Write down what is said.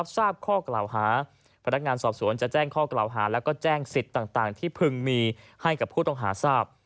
ต่างที่พึงมีให้กับผู้ต้องหาทราบ